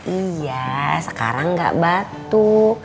iya sekarang gak batu